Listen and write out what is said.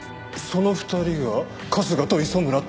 その２人が春日と磯村って事か？